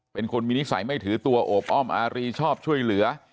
เป็นคนมีนิสัยไม่ถือตัวโอบอ้อมอารีชอบช่วยเหลือ